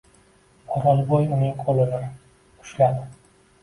O’rolboy uning qo‘lini ushladi.